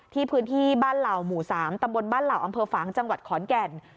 พื้นที่บ้านเหล่าหมู่๓ตำบลบ้านเหล่าอำเภอฝางจังหวัดขอนแก่น